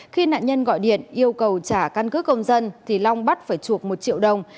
khi nạn nhân gọi điện yêu cầu trả căn cứ công dân thì long bắt phải chuộc một triệu đồng